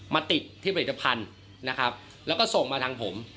มาติดที่ผลิตภัณฑ์แล้วก็ส่งมาทางผม